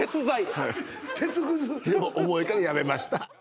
鉄くずでも重いからやめました